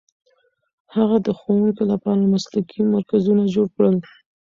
هغه د ښوونکو لپاره مسلکي مرکزونه جوړ کړل.